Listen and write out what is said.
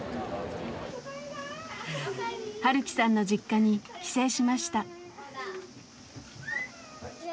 晴樹さんの実家に帰省しました。